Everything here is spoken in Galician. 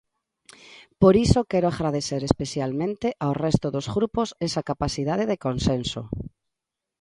Por iso quero agradecer especialmente ao resto dos grupos esa capacidade de consenso.